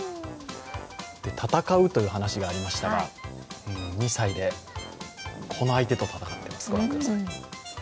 戦うという話がありましたが２歳でこの相手と戦っています。